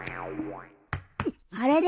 あれれ？